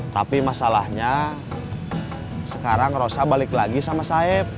tapi masalahnya sekarang rosa balik lagi sama saib